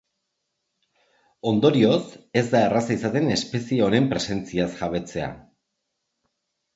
Ondorioz, ez da erraza izaten espezie honen presentziaz jabetzea.